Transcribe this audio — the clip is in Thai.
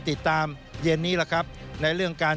ส่วนต่างกระโบนการ